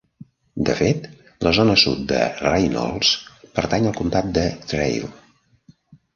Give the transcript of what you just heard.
De fet, la zona sud de Reynolds pertany al comtat de Traill.